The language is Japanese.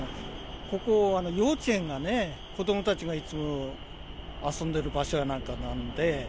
ここ、幼稚園がね、子どもたちがいつも遊んでる場所やなんかなんで。